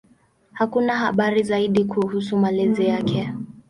Hakuna habari zaidi kuhusu malezi yake.